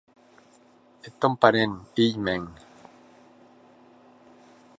Eth tòn parent, hilh mèn.